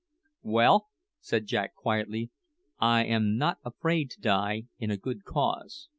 "Well," said Jack quietly, "I am not afraid to die in a good cause."